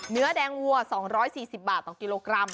เนื้อแดงวัว๒๔๐บาทต่อกิโลกรัม